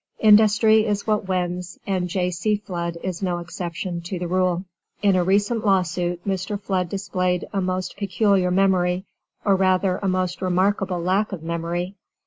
Industry is what wins, and J. C. Flood is no exception to the rule. In a recent law suit Mr. Flood displayed a most peculiar memory, or rather a most remarkable lack of memory.